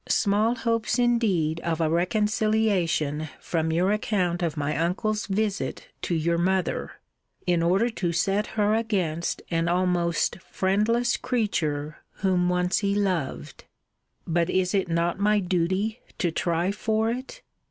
Small hopes indeed of a reconciliation from your account of my uncle's visit to your mother, in order to set her against an almost friendless creature whom once he loved! But is it not my duty to try for it?